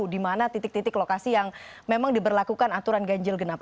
di mana titik titik lokasi yang memang diberlakukan aturan ganjil genap